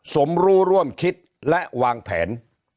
สมรู้ร่วมคิดและวางแผน